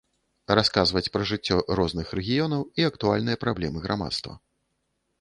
Расказваць пра жыццё розных рэгіёнаў і актуальныя праблемы грамадства.